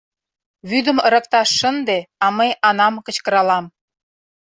— Вӱдым ырыкташ шынде, а мый Анам кычкыралам.